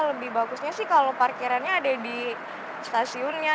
lebih bagusnya sih kalau parkirannya ada di stasiunnya